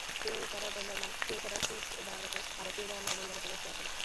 কেউ সদা দণ্ডায়মান, কেউ সদা সিজদারত আবার কেউবা অন্য কোন ইবাদতে ব্যস্ত আছেন।